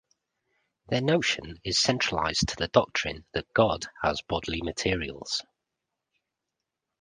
Their notion is centralized to the doctrine that God has bodily materials.